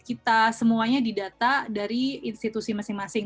kita semuanya didata dari institusi masing masing